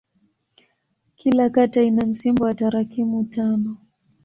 Kila kata ina msimbo wa tarakimu tano.